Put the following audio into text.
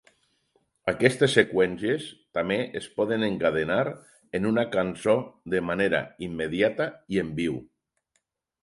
Aquestes seqüències també es poden encadenar en una cançó de manera immediata i en viu.